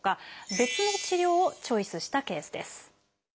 別の治療をチョイスしたケースです。